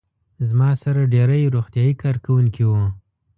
زما سره ډېری روغتیايي کارکوونکي وو.